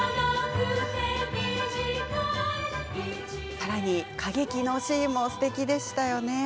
さらに歌劇シーンもすてきでしたよね。